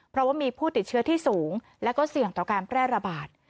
เพราะว่ามีผู้ติดเชื้อที่สูงแล้วก็เสี่ยงต่อการแพร่ระบาด